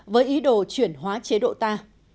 với ý đồ chuyển hóa chế độ ta